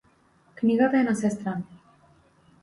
Книгата е на сестра ми.